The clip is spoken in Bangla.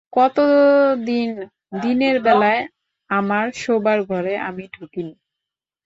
কতদিন দিনের বেলায় আমার শোবার ঘরে আমি ঢুকি নি।